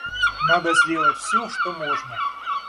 Надо сделать всё, что можно.